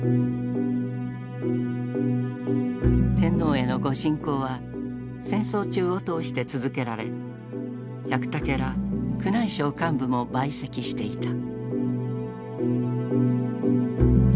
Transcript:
天皇への御進講は戦争中を通して続けられ百武ら宮内省幹部も陪席していた。